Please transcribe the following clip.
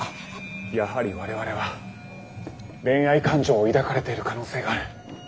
やはり我々は恋愛感情を抱かれている可能性がある。